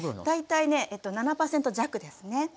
大体ね７％弱ですね。